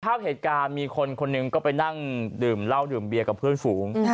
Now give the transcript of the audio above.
ภาพเหตุการณ์มีคนคนหนึ่งก็ไปนั่งดื่มเหล้าดื่มเบียกับเพื่อนฝูง